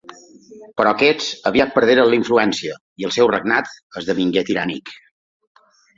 Però aquests aviat perderen la influència, i el seu regnat esdevingué tirànic.